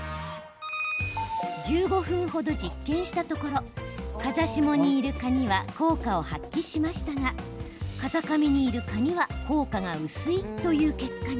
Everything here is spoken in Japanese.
１５分程、実験したところ風下にいる蚊には効果を発揮しましたが風上にいる蚊には効果が薄いという結果に。